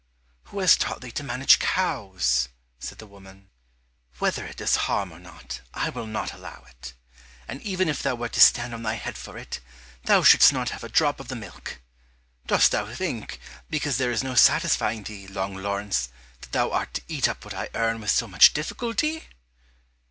"Who has taught thee to manage cows?" said the woman; "Whether it does harm or not, I will not allow it, and even if thou wert to stand on thy head for it, thou shouldst not have a drop of the milk! Dost thou think, because there is no satisfying thee, Long Laurence, that thou art to eat up what I earn with so much difficulty?"